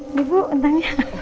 ini bu kentangnya